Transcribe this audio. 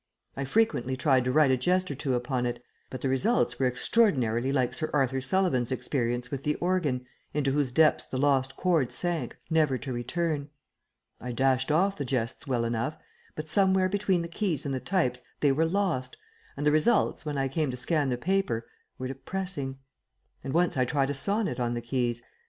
I frequently tried to write a jest or two upon it, but the results were extraordinarily like Sir Arthur Sullivan's experience with the organ into whose depths the lost chord sank, never to return. I dashed off the jests well enough, but somewhere between the keys and the types they were lost, and the results, when I came to scan the paper, were depressing. And once I tried a sonnet on the keys.